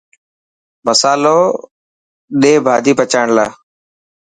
مصالو ڌي ڀاڄي پچائڻ لاءِ.